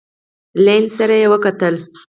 لینین سره وکتل.